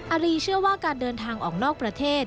อารีเชื่อว่าการเดินทางออกนอกประเทศ